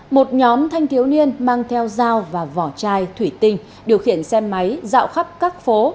một nhóm thanh thiếu niên mang theo dao và vỏ chai thủy tinh điều khiển xe máy dạo khắp các phố